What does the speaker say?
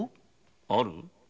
ある？